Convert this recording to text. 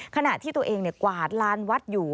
ขณะที่ตัวเองกวาดลานวัดอยู่